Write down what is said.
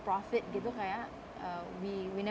kita tidak pernah melakukannya untuk uang